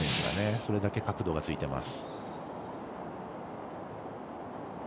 それだけ角度がついてます。